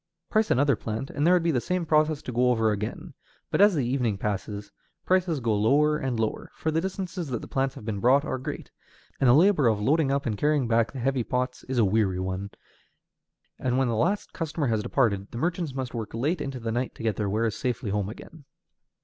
Price another plant and there would be the same process to go over again; but as the evening passes, prices go lower and lower, for the distances that the plants have been brought are great, and the labor of loading up and carrying back the heavy pots is a weary one, and when the last customer has departed the merchants must work late into the night to get their wares safely home again.